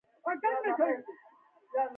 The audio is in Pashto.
دوه تنه ترکان په یاغستان کې قبایل ولمسول.